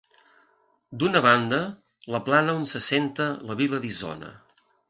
D'una banda, la plana on s'assenta la vila d'Isona.